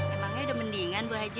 emangnya udah mendingan buat haji